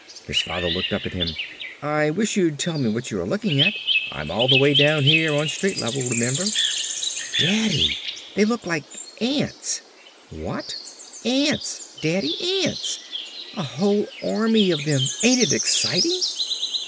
His father looked up at him. "I wish you'd tell me what you are looking at. I'm all the way down here on street level, remember?" "Daddy, they look like ants!" "What?" "Ants, Daddy, ants! A whole army of them. Ain't it exciting?"